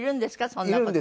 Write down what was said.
そんな事。